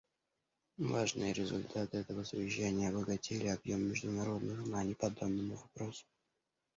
Важные результаты этого совещания обогатили объем международных знаний по данному вопросу.